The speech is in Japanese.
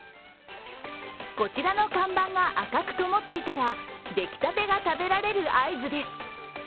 こちらの看板が赤くともっていたら出来たてが食べられる合図です。